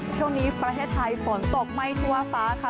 ช่วงนี้ประเทศไทยฝนตกไม่ทั่วฟ้าค่ะ